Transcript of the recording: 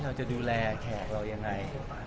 เราจะดูแลแขกเรายังไง